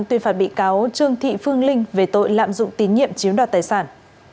tuyên phạt bị cáo trương thị phương linh về tội lạm dụng tín nhiệm chiếm đoạt tài sản